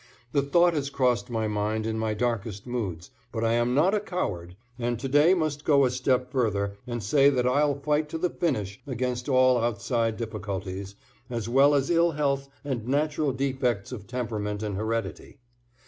The thought has crossed my mind in my darkest moods, but I am not a coward and to day must go a step further and say that I'll fight to the finish against all outside difficulties, as well as ill health and natural defects of temperament and heredity.